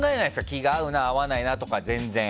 気が合うなとか合わないとか全然。